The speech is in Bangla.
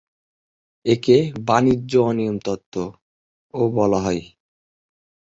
একে "বিভাজনের অনিয়ম তত্ত্ব"ও বলা হয়।